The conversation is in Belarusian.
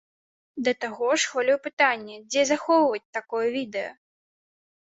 Да таго ж, хвалюе пытанне, дзе захоўваць такое відэа!